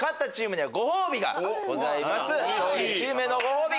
勝利チームへのご褒美